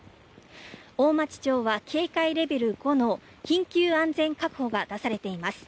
大町町は警戒レベル５の緊急安全確保が出されています。